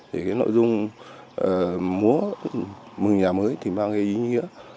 thì cái nội dung múa mừng nhà mới thì mang cái ý nghĩa